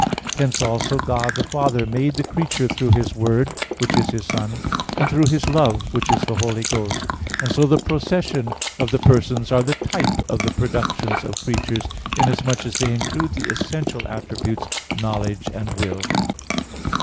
Hence also God the Father made the creature through His Word, which is His Son; and through His Love, which is the Holy Ghost. And so the processions of the Persons are the type of the productions of creatures inasmuch as they include the essential attributes, knowledge and will.